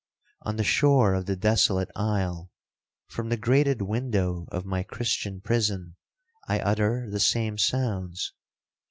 On the shore of the desolate isle,—from the grated window of my Christian prison,—I utter the same sounds.